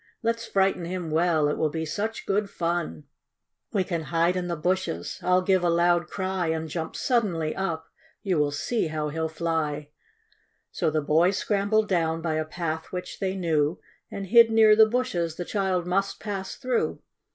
Let's frighten him well — it will be such good fun ! We can hide in the bushes— I'll give a loud cry, And jump suddenly up;— you will see how he'ill fly!" So the boys scrambled down by a path which they knew, And hid near the bushes the child must pass through.